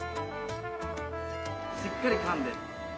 しっかり噛んで。